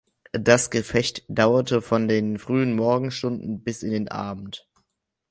Das Gefecht dauerte von den frühen Morgenstunden bis in den Abend.